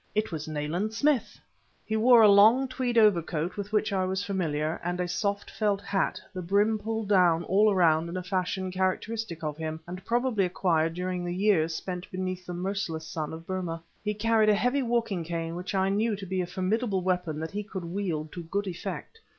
It was Nayland Smith! He wore a long tweed overcoat with which I was familiar, and a soft felt hat, the brim pulled down all around in a fashion characteristic of him, and probably acquired during the years spent beneath the merciless sun of Burma. He carried a heavy walking cane which I knew to be a formidable weapon that he could wield to good effect.